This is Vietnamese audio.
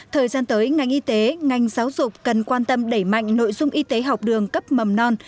thời gian tới ngành y tế ngành giáo dục cần quan tâm đẩy mạnh nội dung y tế học đường cấp mầm non